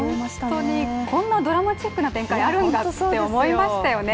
本当にこんなドラマチックな展開あるんだって思いましたよね。